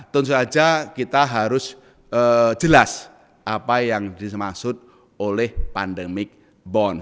tentu saja kita harus jelas apa yang dimaksud oleh pandemic bond